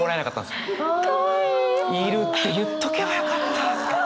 「要る」って言っとけばよかった。